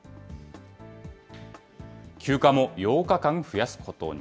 休暇も８日間増やすことに。